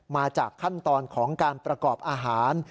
มาจากขั้นตอนของการประกอบอาหาร